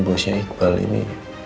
bosnya iqbal ini